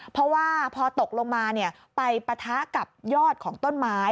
เพราะว่าพอตกลงมาไปปะทะกับยอดของต้นไม้